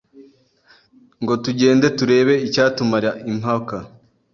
Ngo tugende turebe icyatumara impaka.